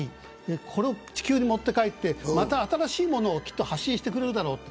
これを地球に持って帰ってまた新しいものを発信してくれるだろうと。